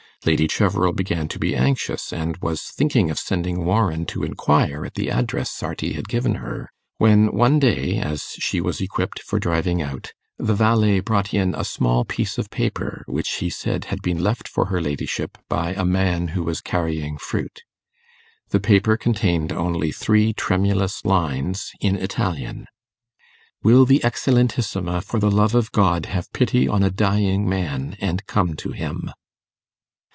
Lady Cheverel began to be anxious, and was thinking of sending Warren to inquire at the address Sarti had given her, when one day, as she was equipped for driving out, the valet brought in a small piece of paper, which, he said, had been left for her ladyship by a man who was carrying fruit. The paper contained only three tremulous lines, in Italian: 'Will the Eccelentissima, for the love of God, have pity on a dying man, and come to him?